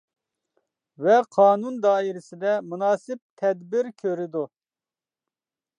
ۋە قانۇن دائىرىسىدە مۇناسىپ تەدبىر كۆرىدۇ.